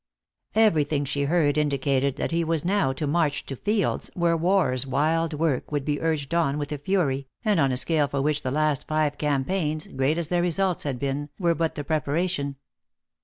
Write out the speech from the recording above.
Everything she heard indicated that he was now to march to fields where war s wild work would be urged on with a fury, and on a scale for which the last five campaigns, great as their results had been, were but the preparation.